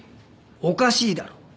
おかしいだろ？